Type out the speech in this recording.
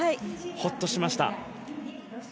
ホッとしました。